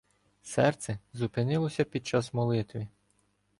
Серце зупинилося під час молитви.